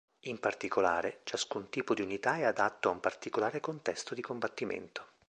In particolare, ciascun tipo di unità è adatto a un particolare contesto di combattimento.